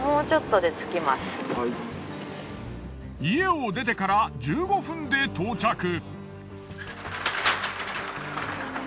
家を出てから１５分で到着。